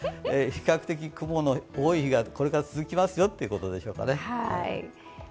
比較的雲の多い日がこれから続きますよということですかね。